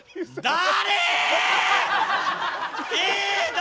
誰？